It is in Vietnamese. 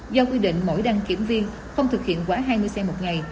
do quy định mỗi đăng kiểm viên không thực hiện quá hai mươi xe một ngày